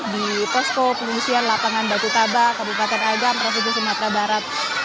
di posko pengungsian lapangan baku taba kabupaten agam provinsi sumatera barat